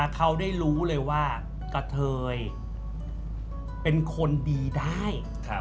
เขาได้รู้เลยว่ากะเทยเป็นคนดีได้